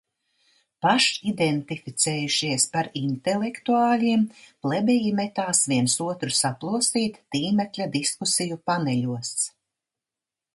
Pašidentificējušies par intelektuāļiem, plebeji metās viens otru saplosīt tīmekļa diskusiju paneļos.